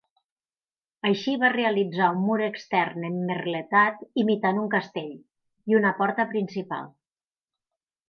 Així va realitzar un mur extern emmerletat imitant un castell, i una porta principal.